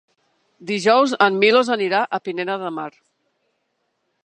Dijous en Milos anirà a Pineda de Mar.